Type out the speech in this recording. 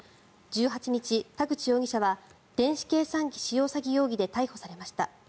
１８日、田口容疑者は電子計算機使用詐欺容疑で逮捕されました。